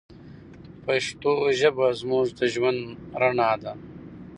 پښتو ژبه زموږ د ژوند رڼا ده.